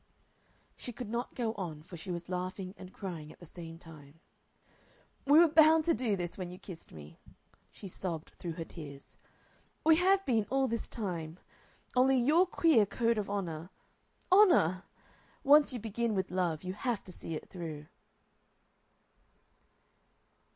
She could not go on, for she was laughing and crying at the same time. "We were bound to do this when you kissed me," she sobbed through her tears. "We have been all this time Only your queer code of honor Honor! Once you begin with love you have to see it through."